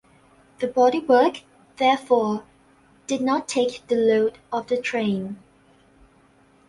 The bodywork, therefore, did not take the load of the train.